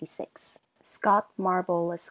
Scott Marble, Esq.